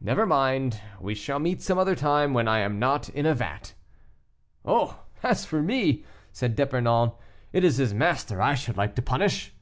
"Never mind; we shall meet some other time, when I am not in a vat." "Oh! as for me," said D'Epernon, "it is his master I should like to punish."